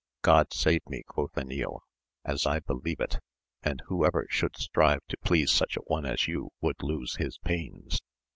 God save me, quoth Enil^ as I believe it ! and whoever should strive to please such a one as you would lose his pains.